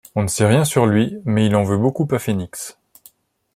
On ne sait rien sur lui mais il en veut beaucoup à Phoenix.